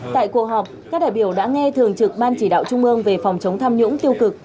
tại cuộc họp các đại biểu đã nghe thường trực ban chỉ đạo trung ương về phòng chống tham nhũng tiêu cực